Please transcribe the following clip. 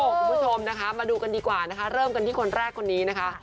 คุณผู้ชมนะคะมาดูกันดีกว่านะคะเริ่มกันที่คนแรกคนนี้นะคะ